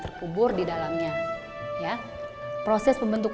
sebuah saluran layarin satu satunya salah azit